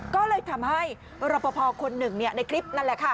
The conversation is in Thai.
ก็เลยทำให้รับพอพอคนหนึ่งเนี่ยในคลิปนั่นแหละค่ะ